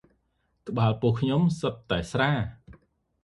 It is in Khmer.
ក្បាលពោះខ្ញុំសុទ្ឌតែស្រា